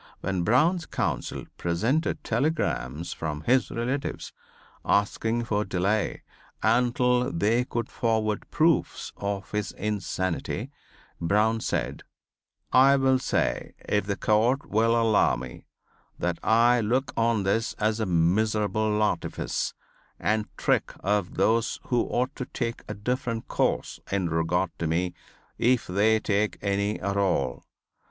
When Brown's counsel presented telegrams from his relatives asking for delay until they could forward proofs of his insanity, Brown said, "I will say, if the court will allow me, that I look on this as a miserable artifice and trick of those who ought to take a different course in regard to me if they take any at all.